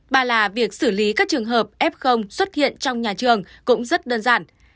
ba là việc xử lý các trường hợp f xuất hiện trong nhà trường cũng rất đơn giản